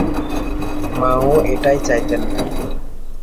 মাও এটাই চাইতেন।